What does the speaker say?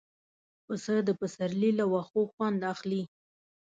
پسه د پسرلي له واښو خوند اخلي.